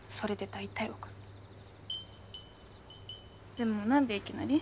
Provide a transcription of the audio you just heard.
でも何でいきなり？